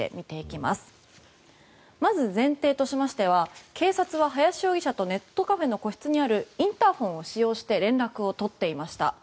まず前提としましては警察は林容疑者とネットカフェの個室にあるインターホンを使用して連絡を取っていました。